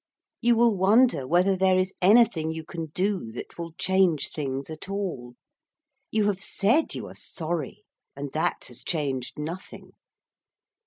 You will wonder whether there is anything you can do that will change things at all. You have said you are sorry, and that has changed nothing.